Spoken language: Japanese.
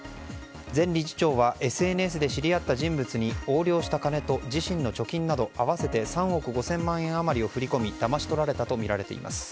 前理事長はＳＮＳで知り合った人物に横領した金と自身の貯金など合わせて３億５０００万円余りを振り込みだまし取られたとみられています。